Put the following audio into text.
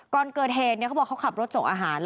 ก่อนเกิดเหตุเขาขับรถโจ๊ะอาหาร